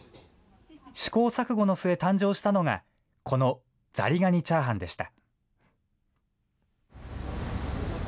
試行錯誤の末、誕生したのが、このザリガニチャーハンでした。